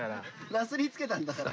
なすり付けたんだから。